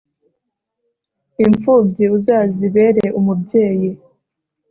imfubyi, uzazibere umubyeyi